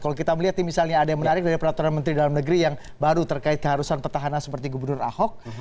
kalau kita melihat nih misalnya ada yang menarik dari peraturan menteri dalam negeri yang baru terkait keharusan petahana seperti gubernur ahok